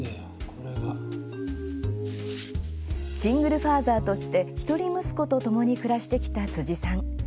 シングルファーザーとして一人息子とともに暮らしてきた辻さん。